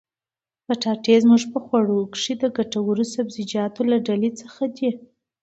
پټاټې زموږ په خوړو کښي د ګټورو سبزيجاتو له ډلي څخه دي.